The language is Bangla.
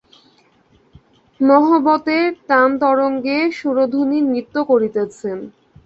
নহবতের তানতরঙ্গে সুরধুনী নৃত্য করিতেছেন।